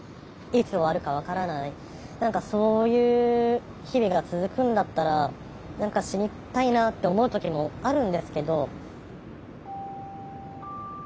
いつ終わるか分からない何かそういう日々が続くんだったら何か死にたいなって思う時もあるんですけど。